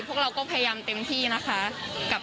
พวกเราก็พยายามเต็มที่นะคะ